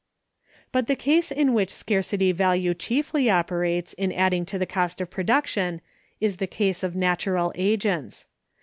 But the case in which scarcity value chiefly operates in adding to cost of production is the case of natural agents.